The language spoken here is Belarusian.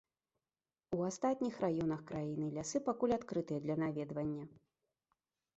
У астатніх раёнах краіны лясы пакуль адкрытыя для наведвання.